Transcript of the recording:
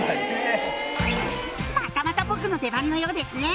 「またまた僕の出番のようですね」